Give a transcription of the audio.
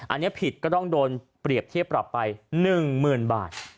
อันนี้ผิดก็ต้องโดนเปรียบเทียบปรับไป๑๐๐๐บาท